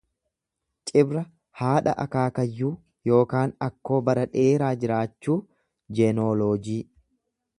Cibra haadha akaakayyuu ykn akkoo bara dheeraa jiraachuu, jenooloojii.